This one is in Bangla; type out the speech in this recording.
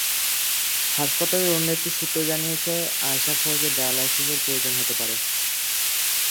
হাসপাতালের অন্য একটি সূত্র জানিয়েছে, আয়েশা ফয়েজের ডায়ালাইসিসের প্রয়োজন হতে পারে।